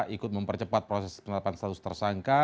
ikut mempercepat proses penetapan status tersangka